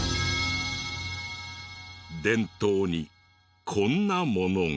電灯にこんなものが。